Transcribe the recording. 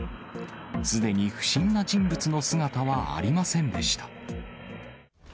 すでに不審な人物の姿はありませんでした。